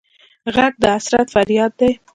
غږ د حسرت فریاد دی